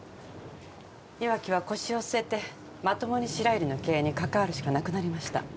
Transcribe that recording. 岩城は腰を据えてまともに白百合の経営に関わるしかなくなりました